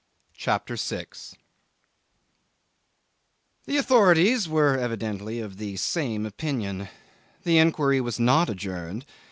CHAPTER 6 'The authorities were evidently of the same opinion. The inquiry was not adjourned.